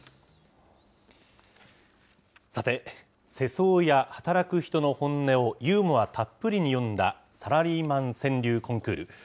さて、世相や働く人の本音をユーモアたっぷりに詠んだサラリーマン川柳コンクール。